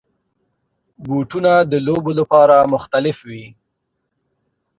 بوټونه د لوبو لپاره مختلف وي.